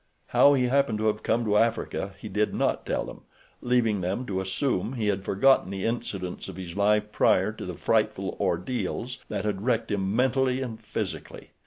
How he happened to have come to Africa he did not tell them, leaving them to assume he had forgotten the incidents of his life prior to the frightful ordeals that had wrecked him mentally and physically.